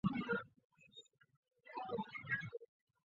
安藤利吉为宫城县出身之日本陆军军人。